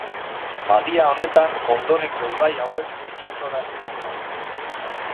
Badia honetan ondorengo ibai hauek itsasoratzen dira.